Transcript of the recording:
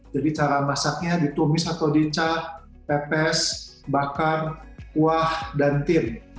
jadi cara masaknya ditumis atau dicat pepes bakar kuah dan tim